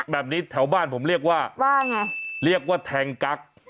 แบบนี้แถวบ้านผมเรียกว่าว่าไงเรียกว่าแทงกั๊ก